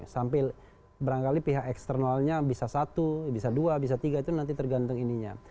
sambil berangkali pihak eksternalnya bisa satu bisa dua bisa tiga itu nanti tergantung ininya